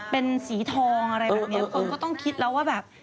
เป็นสีทองอะไรแบบนี้คนก็ต้องคิดแล้วว่าแบบ